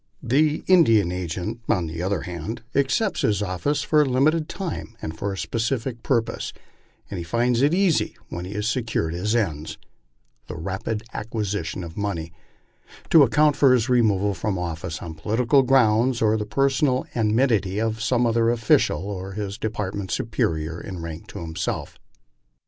The Indian agent, on the other hand, accepts his office for a limited time and for a specific purpose, and he finds it easy when he has secured his ends (tiie rapid acquisition of money) to account for his removal from office on political grounds or the personal enmity of some other official of his department superior in rank to himself.